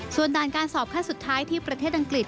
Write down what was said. ส่วนด่านการสอบขั้นสุดท้ายที่ประเทศอังกฤษ